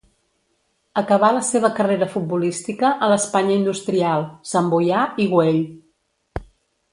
Acabà la seva carrera futbolística a l'Espanya Industrial, Santboià i Güell.